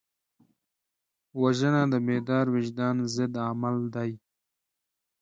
وژنه د بیدار وجدان ضد عمل دی